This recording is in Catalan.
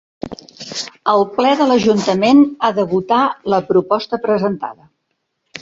El Ple de l'Ajuntament ha de votar la proposta presentada.